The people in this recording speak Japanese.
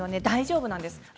大丈夫なんです。